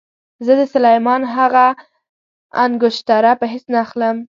زه د سلیمان هغه انګشتره په هېڅ نه اخلم.